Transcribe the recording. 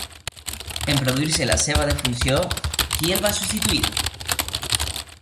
En produir-se la seva defunció, qui el va substituir?